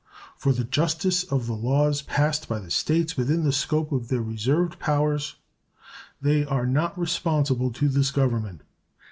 For the justice of the laws passed by the States within the scope of their reserved powers they are not responsible to this Government.